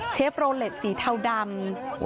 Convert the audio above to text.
โรเล็ตสีเทาดำ